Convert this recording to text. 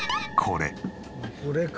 これか。